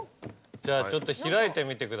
じゃあちょっと開いてみてください。